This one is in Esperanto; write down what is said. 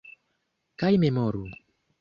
- Kaj memoru!